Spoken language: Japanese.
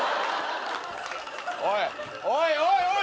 おいおいおいおい！